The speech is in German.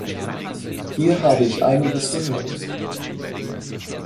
Hier habe ich einiges gehört.